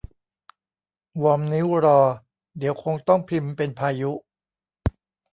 วอร์มนิ้วรอ เดี๋ยวคงต้องพิมพ์เป็นพายุ